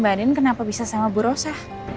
mbak andien kenapa bisa sama ibu rosa